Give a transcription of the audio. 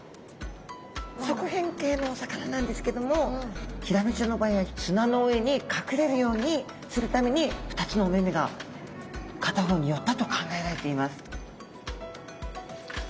側扁形のお魚なんですけどもヒラメちゃんの場合は砂の上に隠れるようにするために２つのお目目が片方に寄ったと考えられています。